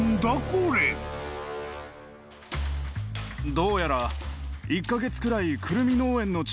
どうやら。